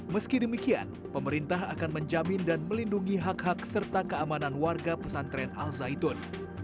meski demikian pemerintah akan menjamin dan melindungi hak hak serta keamanan warga pesantren al zaitun